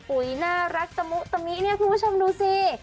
ปุ๋ยน่ารักตะมุตะมิเนี่ยคุณผู้ชมดูสิ